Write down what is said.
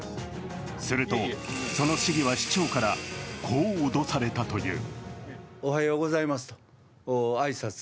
すると、その市議は市長からこう脅されたという。